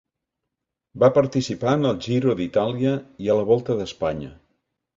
Va participar en el Giro d'Itàlia i a la Volta a Espanya.